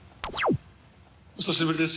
お久しぶりです